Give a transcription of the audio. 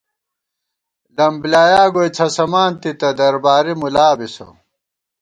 لم بۡلیایا گوئی څھسَمانتی تہ درباری مُلا بِسہ